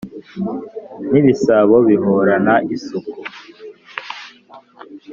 ni ibisabo bihorana isuku!